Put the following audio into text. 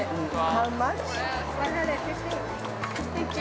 ◆ハウマッチ？